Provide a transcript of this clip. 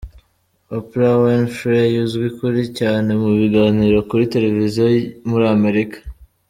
Oprah Winfrey, uzwi kuri cyane mu biganiro kuri Televiziyo muri Amerika.